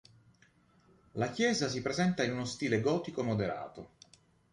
La chiesa si presenta in uno stile gotico moderato.